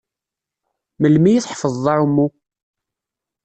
Melmi i tḥefḍeḍ aɛummu?